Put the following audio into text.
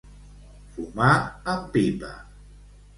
Fumar amb pipa.